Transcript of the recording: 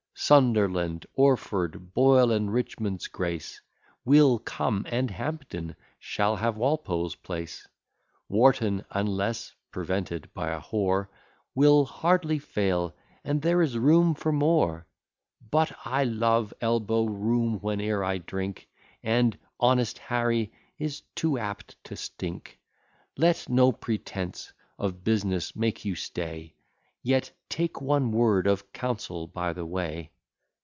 Sunderland, Orford, Boyle, and Richmond's grace Will come; and Hampden shall have Walpole's place; Wharton, unless prevented by a whore, Will hardly fail; and there is room for more; But I love elbow room whene'er I drink; And honest Harry is too apt to stink. Let no pretence of bus'ness make you stay; Yet take one word of counsel by the way.